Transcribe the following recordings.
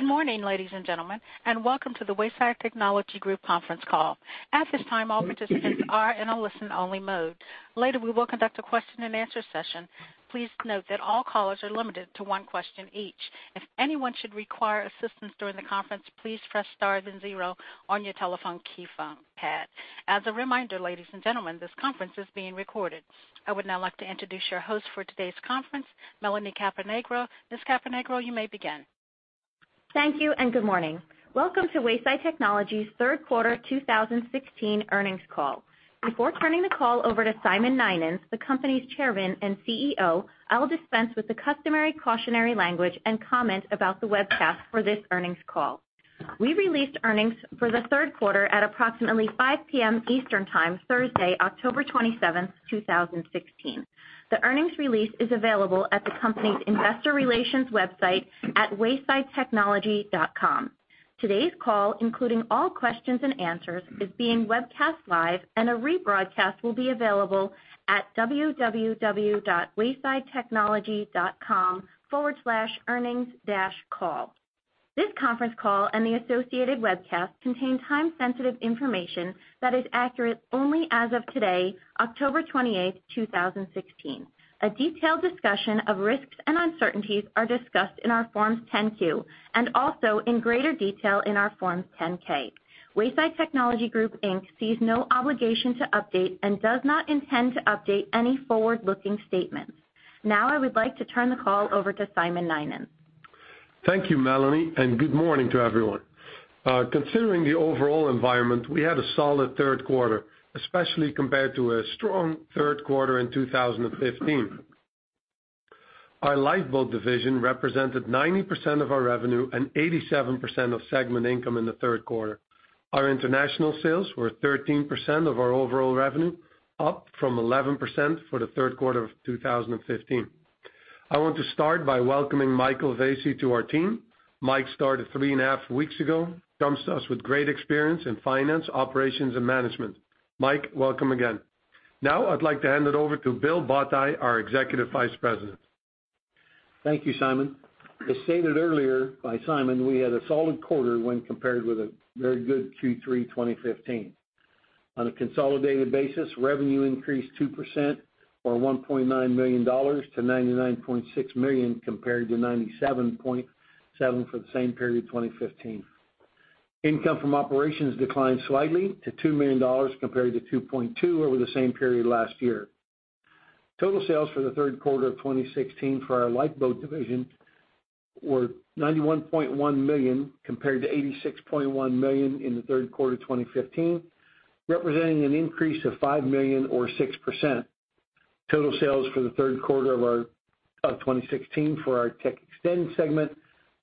Good morning, ladies and gentlemen, and welcome to the Wayside Technology Group conference call. At this time, all participants are in a listen-only mode. Later, we will conduct a question and answer session. Please note that all callers are limited to one question each. If anyone should require assistance during the conference, please press star then zero on your telephone keypad. As a reminder, ladies and gentlemen, this conference is being recorded. I would now like to introduce your host for today's conference, Melanie Caponigro. Ms. Caponigro, you may begin. Thank you, and good morning. Welcome to Wayside Technology's third quarter 2016 earnings call. Before turning the call over to Simon Nynens, the company's Chairman and CEO, I'll dispense with the customary cautionary language and comment about the webcast for this earnings call. We released earnings for the third quarter at approximately 5:00 P.M. Eastern Time, Thursday, October 27th, 2016. The earnings release is available at the company's investor relations website at waysidetechnology.com. Today's call, including all questions and answers, is being webcast live, and a rebroadcast will be available at www.waysidetechnology.com/earnings-call. This conference call and the associated webcast contain time-sensitive information that is accurate only as of today, October 28th, 2016. A detailed discussion of risks and uncertainties are discussed in our Forms 10-Q and also in greater detail in our Form 10-K. Wayside Technology Group Inc. sees no obligation to update and does not intend to update any forward-looking statements. Now I would like to turn the call over to Simon Nynens. Thank you, Melanie, and good morning to everyone. Considering the overall environment, we had a solid third quarter, especially compared to a strong third quarter in 2015. Our Lifeboat division represented 90% of our revenue and 87% of segment income in the third quarter. Our international sales were 13% of our overall revenue, up from 11% for the third quarter of 2015. I want to start by welcoming Michael Vesey to our team. Mike started three and a half weeks ago, comes to us with great experience in finance, operations, and management. Mike, welcome again. Now, I'd like to hand it over to Bill Botti, our Executive Vice President. Thank you, Simon Nynens. As stated earlier by Simon Nynens, we had a solid quarter when compared with a very good Q3 2015. On a consolidated basis, revenue increased 2% or $1.9 million to $99.6 million, compared to $97.7 for the same period in 2015. Income from operations declined slightly to $2 million, compared to $2.2 over the same period last year. Total sales for the third quarter of 2016 for our Lifeboat division were $91.1 million, compared to $86.1 million in the third quarter of 2015, representing an increase of $5 million or 6%. Total sales for the third quarter of 2016 for our TechXtend segment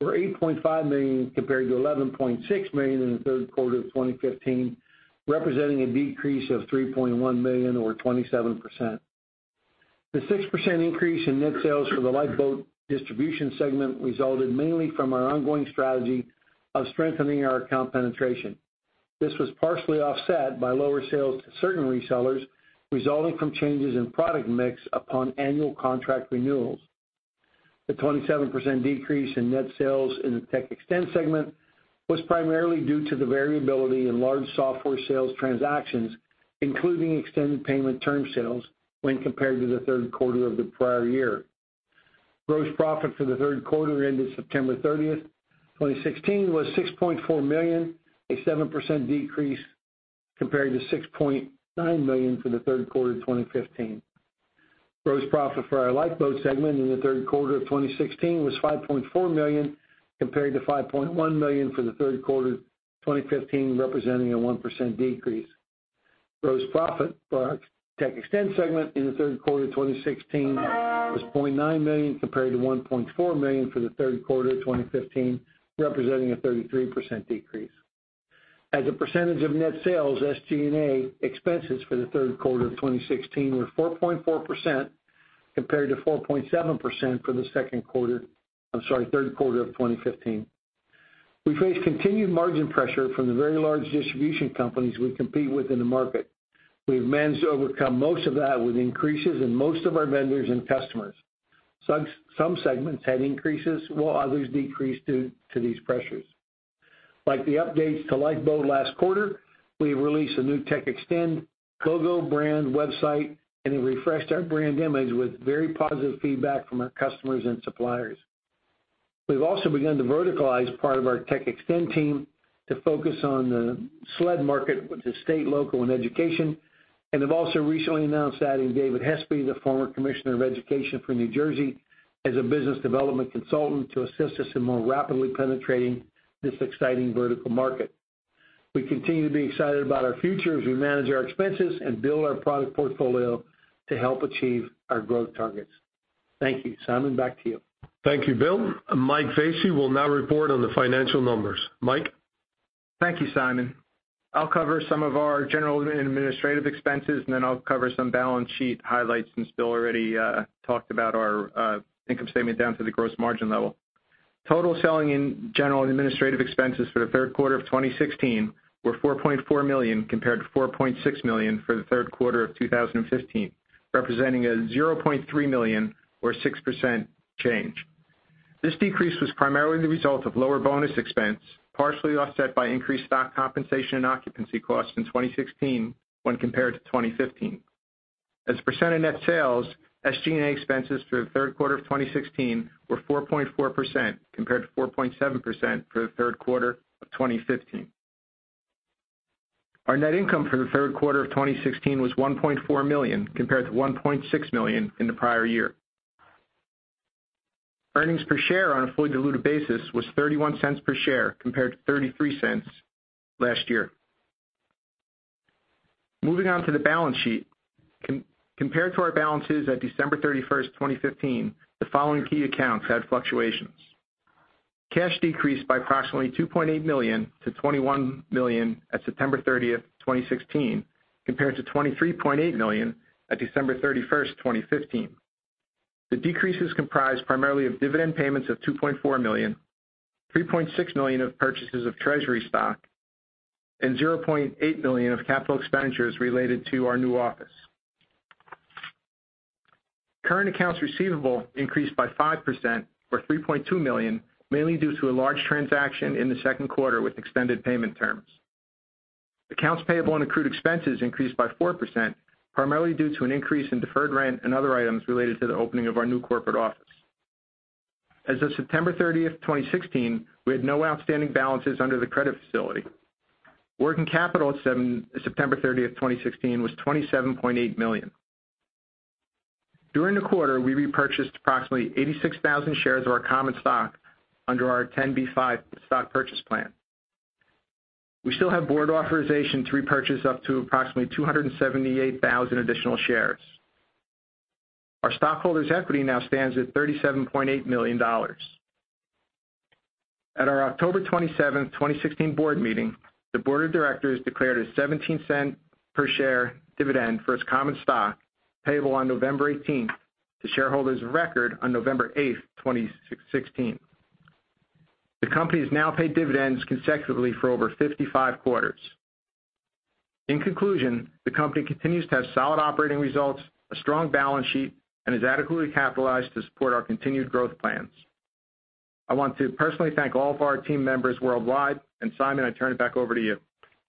were $8.5 million, compared to $11.6 million in the third quarter of 2015, representing a decrease of $3.1 million or 27%. The 6% increase in net sales for the Lifeboat distribution segment resulted mainly from our ongoing strategy of strengthening our account penetration. This was partially offset by lower sales to certain resellers, resulting from changes in product mix upon annual contract renewals. The 27% decrease in net sales in the TechXtend segment was primarily due to the variability in large software sales transactions, including extended payment term sales when compared to the third quarter of the prior year. Gross profit for the third quarter ended September 30th, 2016, was $6.4 million, a 7% decrease compared to $6.9 million for the third quarter of 2015. Gross profit for our Lifeboat segment in the third quarter of 2016 was $5.4 million, compared to $5.1 million for the third quarter of 2015, representing a 1% decrease. Gross profit for our TechXtend segment in the third quarter of 2016 was $0.9 million compared to $1.4 million for the third quarter of 2015, representing a 33% decrease. As a percentage of net sales, SG&A expenses for the third quarter of 2016 were 4.4% compared to 4.7% for the second quarter, I'm sorry, third quarter of 2015. We face continued margin pressure from the very large distribution companies we compete with in the market. We've managed to overcome most of that with increases in most of our vendors and customers. Some segments had increases, while others decreased due to these pressures. Like the updates to Lifeboat last quarter, we released a new TechXtend Gogo brand website, and it refreshed our brand image with very positive feedback from our customers and suppliers. We've also begun to verticalize part of our TechXtend team to focus on the SLED market, which is state, local, and education, and have also recently announced adding David Hespe, the former Commissioner of Education for New Jersey, as a business development consultant to assist us in more rapidly penetrating this exciting vertical market. We continue to be excited about our future as we manage our expenses and build our product portfolio to help achieve our growth targets. Thank you. Simon Nynens, back to you. Thank you, Bill. Mike Vesey will now report on the financial numbers. Mike? Thank you, Simon. I'll cover some of our general and administrative expenses. Then I'll cover some balance sheet highlights since Bill already talked about our income statement down to the gross margin level. Total selling and general and administrative expenses for the third quarter of 2016 were $4.4 million, compared to $4.6 million for the third quarter of 2015, representing a $0.3 million or 6% change. This decrease was primarily the result of lower bonus expense, partially offset by increased stock compensation and occupancy costs in 2016 when compared to 2015. As a percent of net sales, SG&A expenses through the third quarter of 2016 were 4.4%, compared to 4.7% for the third quarter of 2015. Our net income for the third quarter of 2016 was $1.4 million, compared to $1.6 million in the prior year. Earnings per share on a fully diluted basis was $0.31 per share, compared to $0.33 last year. Moving on to the balance sheet. Compared to our balances at December 31st, 2015, the following key accounts had fluctuations. Cash decreased by approximately $2.8 million to $21 million at September 30th, 2016, compared to $23.8 million at December 31st, 2015. The decreases comprised primarily of dividend payments of $2.4 million, $3.6 million of purchases of treasury stock, and $0.8 million of capital expenditures related to our new office. Current accounts receivable increased by 5%, or $3.2 million, mainly due to a large transaction in the second quarter with extended payment terms. Accounts payable and accrued expenses increased by 4%, primarily due to an increase in deferred rent and other items related to the opening of our new corporate office. As of September 30th, 2016, we had no outstanding balances under the credit facility. Working capital at September 30th, 2016, was $27.8 million. During the quarter, we repurchased approximately 86,000 shares of our common stock under our 10b5-1 stock purchase plan. We still have board authorization to repurchase up to approximately 278,000 additional shares. Our stockholders' equity now stands at $37.8 million. At our October 27th, 2016 board meeting, the board of directors declared a $0.17 per share dividend for its common stock, payable on November 18th to shareholders of record on November 8th, 2016. The company has now paid dividends consecutively for over 55 quarters. In conclusion, the company continues to have solid operating results, a strong balance sheet, and is adequately capitalized to support our continued growth plans. I want to personally thank all of our team members worldwide. Simon, I turn it back over to you.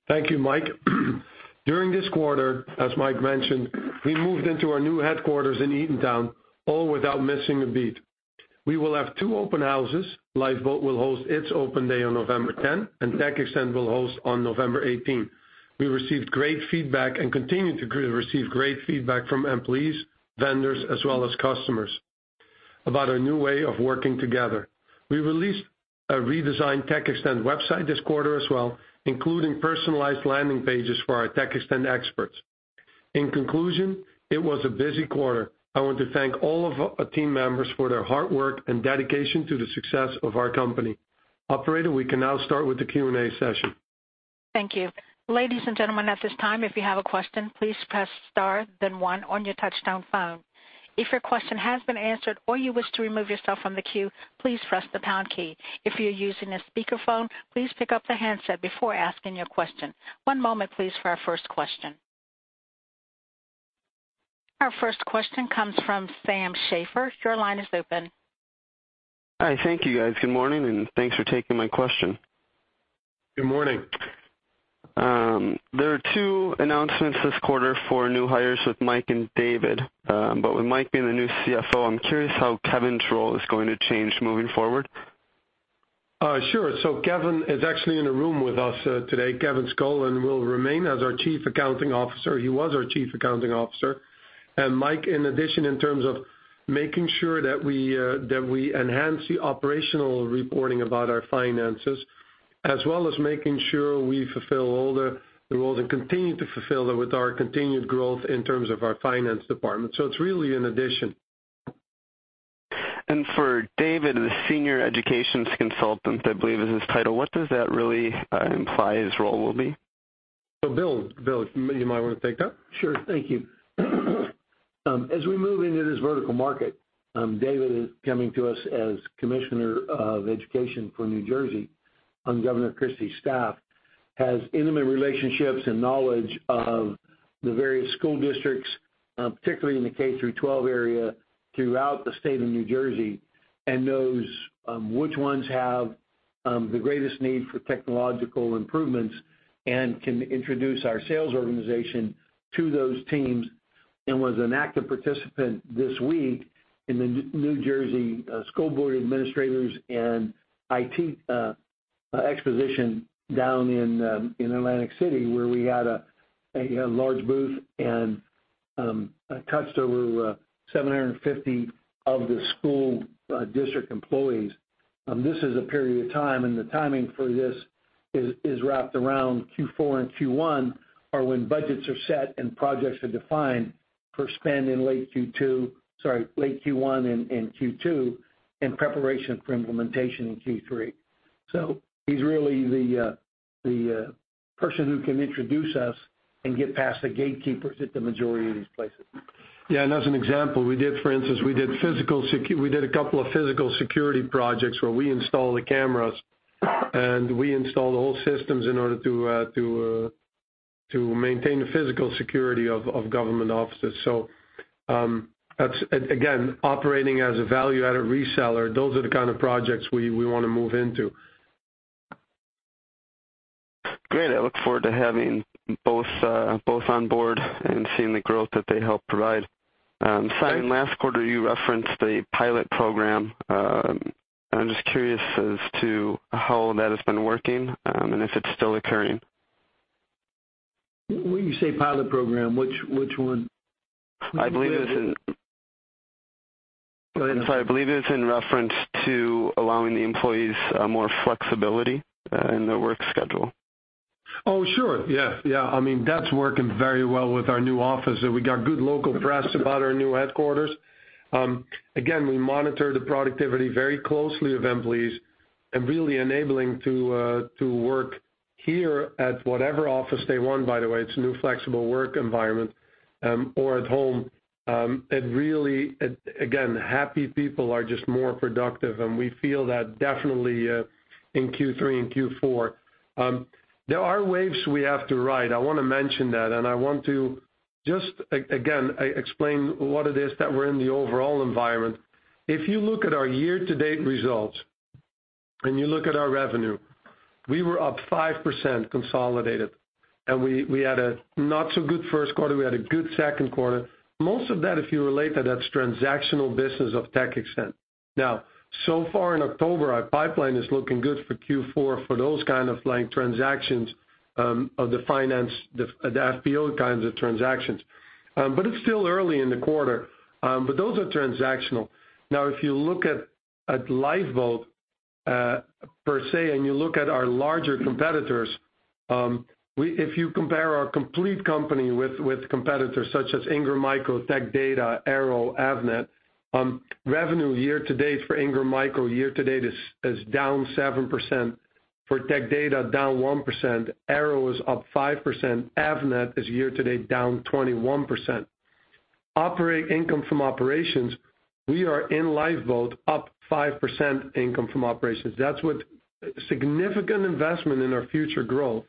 Thank you, Mike. During this quarter, as Mike mentioned, we moved into our new headquarters in Eatontown, all without missing a beat. We will have two open houses. Lifeboat will host its open day on November 10. TechXtend will host on November 18th. We received great feedback and continue to receive great feedback from employees, vendors, as well as customers about our new way of working together. We released a redesigned TechXtend website this quarter as well, including personalized landing pages for our TechXtend experts. In conclusion, it was a busy quarter. I want to thank all of our team members for their hard work and dedication to the success of our company. Operator, we can now start with the Q&A session. Thank you. Ladies and gentlemen, at this time, if you have a question, please press star then one on your touchtone phone. If your question has been answered or you wish to remove yourself from the queue, please press the pound key. If you're using a speakerphone, please pick up the handset before asking your question. One moment, please, for our first question. Our first question comes from Sam Schaeffer. Your line is open. Hi. Thank you, guys. Good morning. Thanks for taking my question. Good morning. There are two announcements this quarter for new hires with Mike and David. With Mike being the new CFO, I'm curious how Kevin's role is going to change moving forward. Sure. Kevin is actually in the room with us today. Kevin Scull will remain as our Chief Accounting Officer. He was our Chief Accounting Officer. Mike, in addition, in terms of making sure that we enhance the operational reporting about our finances, as well as making sure we fulfill all the roles and continue to fulfill them with our continued growth in terms of our finance department. It's really an addition. For David, the senior education's consultant, I believe is his title, what does that really imply his role will be? Bill, you might want to take that? Sure. Thank you. As we move into this vertical market, David is coming to us as Commissioner of Education for New Jersey on Governor Christie's staff, has intimate relationships and knowledge of the various school districts, particularly in the K through 12 area throughout the state of New Jersey, and knows which ones have the greatest need for technological improvements and can introduce our sales organization to those teams, and was an active participant this week in the New Jersey School Boards Association Workshop and IT Exposition down in Atlantic City, where we had a large booth and touched over 750 of the school district employees. This is a period of time, and the timing for this is wrapped around Q4 and Q1 are when budgets are set and projects are defined for spend, sorry, late Q1 and Q2 in preparation for implementation in Q3. He's really the person who can introduce us and get past the gatekeepers at the majority of these places. Yeah. As an example, for instance, we did a couple of physical security projects where we install the cameras, and we install the whole systems to maintain the physical security of government offices. Again, operating as a value-added reseller, those are the kind of projects we want to move into. Great. I look forward to having both on board and seeing the growth that they help provide. Simon, last quarter you referenced a pilot program. I'm just curious as to how that has been working and if it's still occurring. When you say pilot program, which one? I believe it's in- Go ahead. I'm sorry. I believe it's in reference to allowing the employees more flexibility in their work schedule. Oh, sure. Yeah. That's working very well with our new office. We got good local press about our new headquarters. Again, we monitor the productivity very closely of employees and really enabling to work here at whatever office they want, by the way, it's a new flexible work environment, or at home. It really, again, happy people are just more productive, and we feel that definitely in Q3 and Q4. There are waves we have to ride, I want to mention that, and I want to just, again, explain what it is that we're in the overall environment. If you look at our year-to-date results, and you look at our revenue, we were up 5% consolidated. We had a not-so-good first quarter. We had a good second quarter. Most of that, if you relate that's transactional business of TechXtend. So far in October, our pipeline is looking good for Q4 for those kind of transactions, of the finance, the FPO kinds of transactions. It's still early in the quarter. Those are transactional. If you look at Lifeboat per se, and you look at our larger competitors, if you compare our complete company with competitors such as Ingram Micro, Tech Data, Arrow, Avnet, revenue year-to-date for Ingram Micro year-to-date is down 7%, for Tech Data down 1%, Arrow is up 5%, Avnet is year-to-date down 21%. Operating income from operations, we are, in Lifeboat, up 5% income from operations. That's what significant investment in our future growth.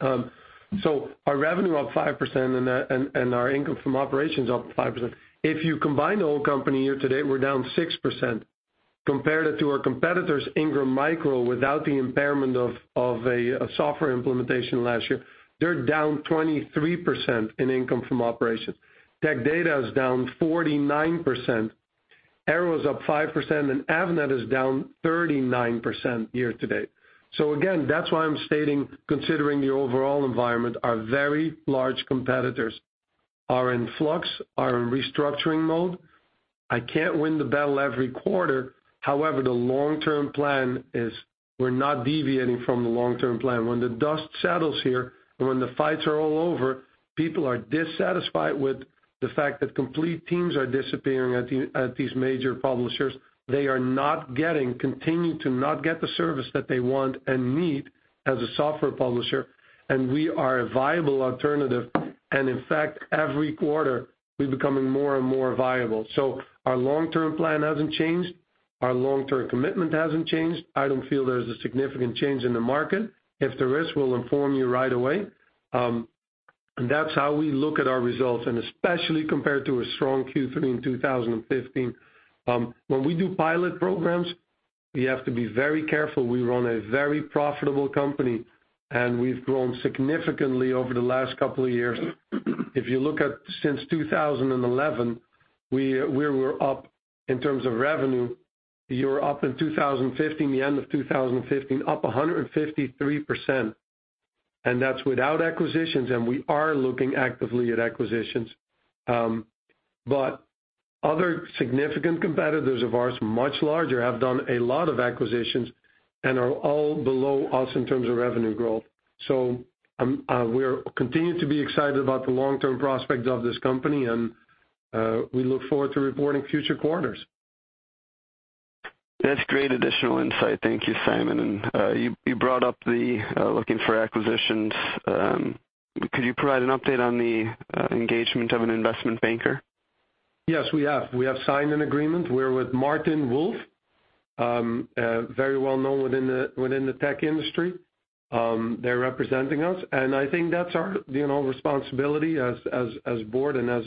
Our revenue up 5% and our income from operations up 5%. If you combine the whole company year-to-date, we're down 6%. Compare that to our competitors, Ingram Micro, without the impairment of a software implementation last year, they're down 23% in income from operations. Tech Data is down 49%, Arrow's up 5%, and Avnet is down 39% year-to-date. Again, that's why I'm stating, considering the overall environment, our very large competitors are in flux, are in restructuring mode. I can't win the battle every quarter. However, the long-term plan is we're not deviating from the long-term plan. When the dust settles here and when the fights are all over, people are dissatisfied with the fact that complete teams are disappearing at these major publishers. They are not getting, continue to not get the service that they want and need as a software publisher, and we are a viable alternative. In fact, every quarter, we're becoming more and more viable. Our long-term plan hasn't changed. Our long-term commitment hasn't changed. I don't feel there's a significant change in the market. If there is, we'll inform you right away. That's how we look at our results, and especially compared to a strong Q3 in 2015. When we do pilot programs, we have to be very careful. We run a very profitable company, and we've grown significantly over the last couple of years. If you look at since 2011, where we're up in terms of revenue, year up in 2015, the end of 2015, up 153%. That's without acquisitions, and we are looking actively at acquisitions. Other significant competitors of ours, much larger, have done a lot of acquisitions and are all below us in terms of revenue growth. We're continuing to be excited about the long-term prospects of this company, and we look forward to reporting future quarters. That's great additional insight. Thank you, Simon. You brought up the looking for acquisitions. Could you provide an update on the engagement of an investment banker? Yes, we have. We have signed an agreement. We're with martinwolf. Very well known within the tech industry. They're representing us, and I think that's our responsibility as a board and as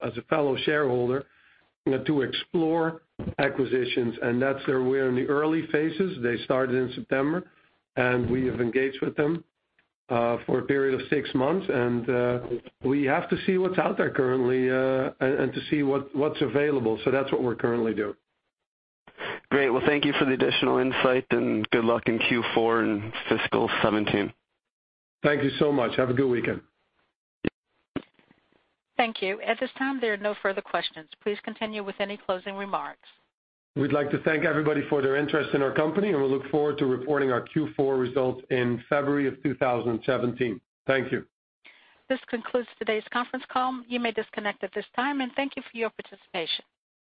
a fellow shareholder to explore acquisitions. That's where we're in the early phases. They started in September, we have engaged with them for a period of six months. We have to see what's out there currently and to see what's available. That's what we're currently doing. Great. Well, thank you for the additional insight. Good luck in Q4 and fiscal 2017. Thank you so much. Have a good weekend. Thank you. At this time, there are no further questions. Please continue with any closing remarks. We'd like to thank everybody for their interest in our company, and we look forward to reporting our Q4 results in February of 2017. Thank you. This concludes today's conference call. You may disconnect at this time, and thank you for your participation.